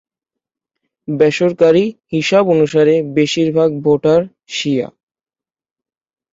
বেসরকারী হিসাব অনুসারে বেশিরভাগ ভোটার শিয়া।